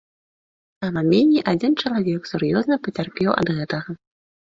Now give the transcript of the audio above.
Сама меней адзін чалавек сур'ёзна пацярпеў ад гэтага.